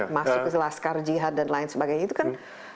masuk ke laskar jihad dan lain sebagainya itu kan